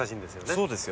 そうですよね。